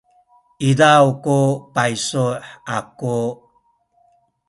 izaw ku paysu aku.